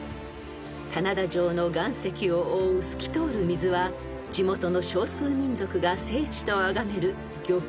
［棚田上の岩石を覆う透き通る水は地元の小数民族が聖地とあがめる］